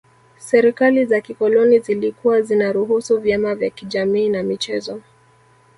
Serikali za kikoloni zilikuwa zinaruhusu vyama vya kijamii na michezo